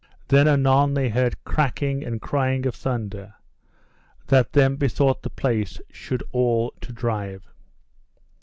Then anon they heard cracking and crying of thunder, that them thought the place should all to drive.